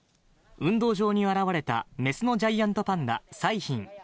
運動場に現れた雌のジャイアントパンダ、彩浜。